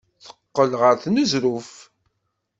Teqqel ɣer uneẓruf.